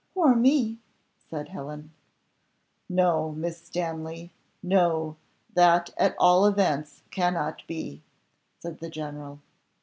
"Or me," said Helen. "No, Miss Stanley, no, that at all events cannot be," said the general.